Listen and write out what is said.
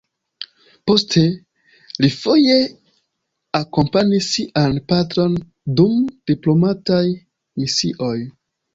Poste li foje akompanis sian patron dum diplomataj misioj.